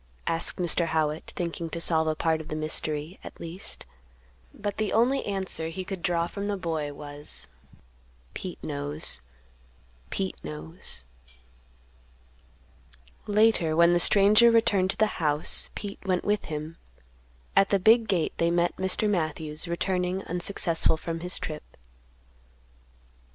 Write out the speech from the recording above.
asked Mr. Howitt, thinking to solve a part of the mystery, at least. But the only answer he could draw from the boy was, "Pete knows; Pete knows." Later when the stranger returned to the house, Pete went with him; at the big gate they met Mr. Matthews, returning unsuccessful from his trip.